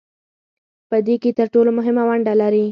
په دې کې تر ټولو مهمه ونډه لري